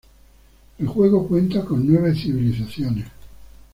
El juego cuenta con nueve civilizaciones:.